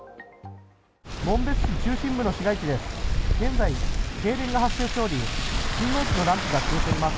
紋別市中心部の市街地です。